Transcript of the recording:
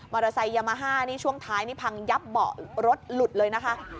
มอเตอร์ไซส์ยามาฮาช่วงท้ายพังยับเหมาะรถหลุดเลยนะคะ